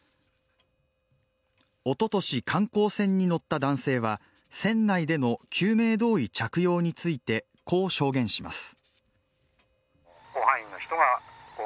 おととし、観光船に乗った男性は船内での救命胴衣着用についてこう証言します。